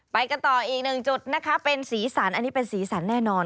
ไปกันต่ออีกหนึ่งจุดนะคะเป็นสีสันอันนี้เป็นสีสันแน่นอน